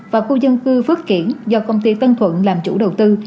và khu dân cư phước kiển do công ty tân thuận làm chủ đầu tư